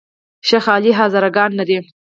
شیخ علي هزاره ګان لري؟